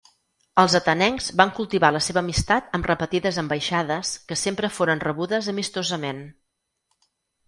Els atenencs van cultivar la seva amistat amb repetides ambaixades que sempre foren rebudes amistosament.